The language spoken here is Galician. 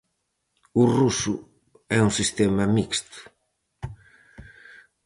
O ruso é un sistema mixto.